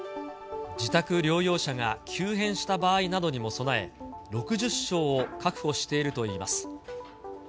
自宅療養者が急変した場合などにも備え、６０床を確保しているといいます。